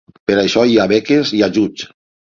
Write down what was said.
Per això hi ha beques i ajuts.